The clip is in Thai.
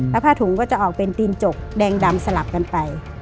แล้วผ้าถุงก็จะออกเป็นตีนจกแดงดำสลับกันไป